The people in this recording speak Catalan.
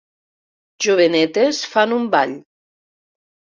Jovenetes fan un ball.